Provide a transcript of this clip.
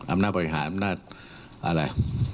อำนาจบริหารอำนาจอะไร